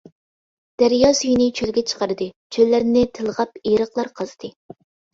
دەريا سۈيىنى چۆلگە چىقاردى، چۆللەرنى تىلغاپ ئېرىقلار قازدى.